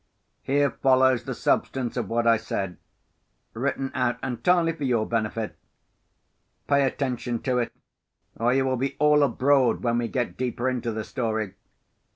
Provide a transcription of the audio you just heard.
Here follows the substance of what I said, written out entirely for your benefit. Pay attention to it, or you will be all abroad, when we get deeper into the story.